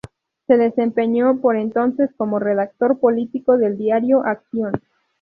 Se desempeñó por entonces como redactor político del diario "Acción".